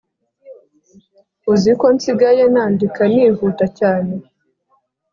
uziko nsigaye nandika nihuta cyane